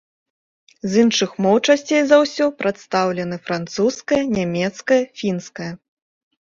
З іншых моў часцей за ўсё прадстаўлены французская, нямецкая, фінская.